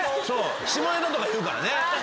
下ネタとか言うからね。